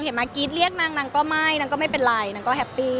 มากรี๊ดเรียกนางนางก็ไม่นางก็ไม่เป็นไรนางก็แฮปปี้